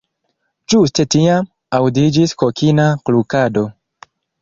Ĝuste tiam, aŭdiĝis kokina klukado.